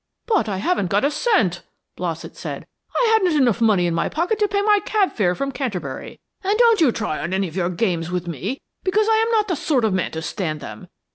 "But I haven't got a cent," Blossett said. "I hadn't enough money in my pocket to pay my cab fare from Canterbury; and don't you try on any of your games with me, because I am not the sort of man to stand them.